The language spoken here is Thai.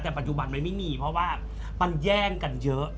แต่ปัจจุบันมันไม่มีเพราะว่ามันแย่งกันเยอะ